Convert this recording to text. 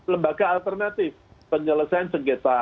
lembaga alternatif penyelesaian sengketa